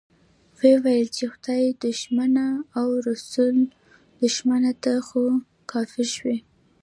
ويې ويل چې خدای دښمنه او رسول دښمنه، ته خو کافر شوې.